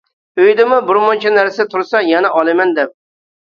ئۆيدىمۇ بىرمۇنچە نەرسە تۇرسا يەنە ئالىمەن دەپ.